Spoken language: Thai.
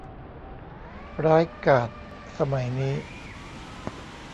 ร้ายกาจสมัยนี้